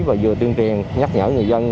và vừa tiên triền nhắc nhở người dân